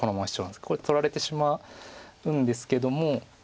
これ取られてしまうんですけども。